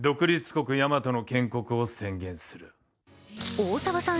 大沢さん